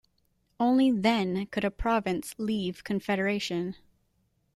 Only then could a province leave confederation.